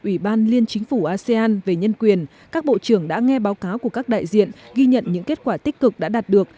ủy ban liên chính phủ asean về nhân quyền các bộ trưởng đã nghe báo cáo của các đại diện ghi nhận những kết quả tích cực đã đạt được